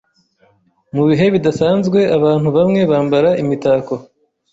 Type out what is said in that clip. Mu bihe bidasanzwe, abantu bamwe bambara imitako.